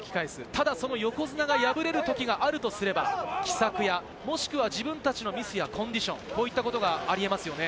ただその横綱が敗れる時があるとすれば、奇策やもしくは自分たちのミスやコンディション、こういったことがあり得ますよね。